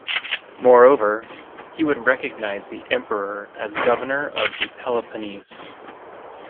Moreover, he would recognize the Emperor as governor of the Peloponese.